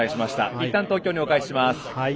いったん、東京にお返しします。